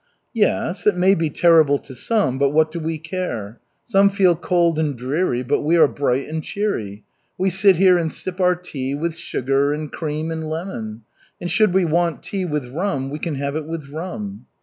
"Yes, it may be terrible to some, but what do we care? Some feel cold and dreary, but we are bright and cheery. We sit here and sip our tea, with sugar, and cream, and lemon. And should we want tea with rum, we can have it with rum."